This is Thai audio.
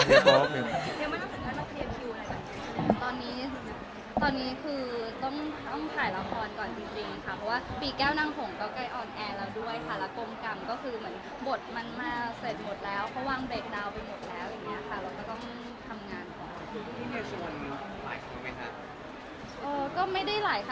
แสวได้ไงของเราก็เชียนนักอยู่ค่ะเป็นผู้ร่วมงานที่ดีมาก